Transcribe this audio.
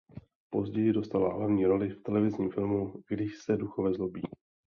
Později dostala hlavní roli v televizním filmu "Když se duchové zlobí".